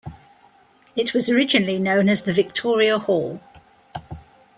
It was originally known as the Victoria Hall.